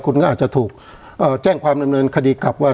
คุณก็อาจจะถูกแจ้งความเริ่มเริ่มคดีกรรมว่า